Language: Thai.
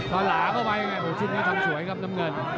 พอหลาเข้าไปไงชิ้นนี้ทำสวยครับน้ำเงิน